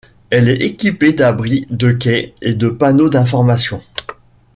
Elle est équipée d'abris de quai et de panneaux d'informations.